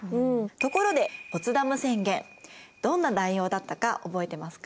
ところでポツダム宣言どんな内容だったか覚えてますか？